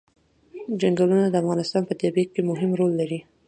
چنګلونه د افغانستان په طبیعت کې مهم رول لري.